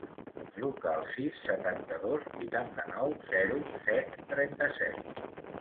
Truca al sis, setanta-dos, vuitanta-nou, zero, set, trenta-set.